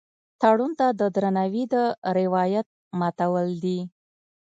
تړون ته د درناوي د روایت ماتول دي.